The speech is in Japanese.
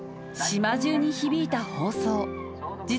島中に響いた放送。